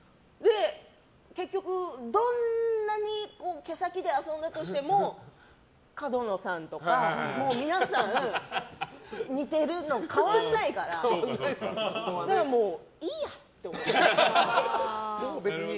結局どんなに毛先で遊んだとしても角野さんとか、皆さん、似てるの変わらないからもういいやって。